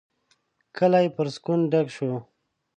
کلی پر سکون ډک شو.